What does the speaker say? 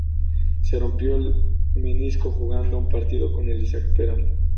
Se rompió el menisco jugando un partido con el Isaac Peral.